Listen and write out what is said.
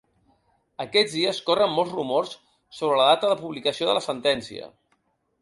Aquests dies corren molts rumors sobre la data de publicació de la sentència.